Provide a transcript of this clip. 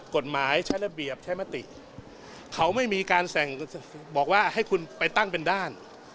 กฎหมายใช้ระเบียบใช้มติเขาไม่มีการสั่งบอกว่าให้คุณไปตั้งเป็นด้าน